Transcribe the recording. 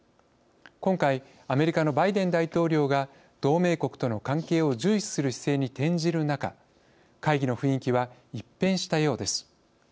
今回、アメリカのバイデン大統領が同盟国との関係を重視する姿勢に転じる中会議の雰囲気は一変したようです。